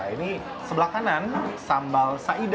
ini sebelah kanan sambal saida